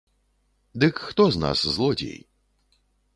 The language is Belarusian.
Дык хто з нас злодзей?